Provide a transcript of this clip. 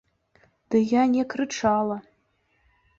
Ды я не крычала.